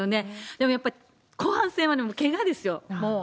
でもやっぱり後半戦はね、けがですよ、もう。